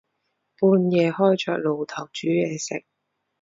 半夜開着爐頭煮嘢食